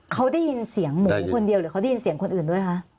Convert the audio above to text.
เขาได้ยินเสียงหมูคนเดียวหรือเขาได้ยินเสียงคนอื่นด้วยคะ